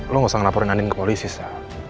lo gak usah ngelaporin andien ke polisi sa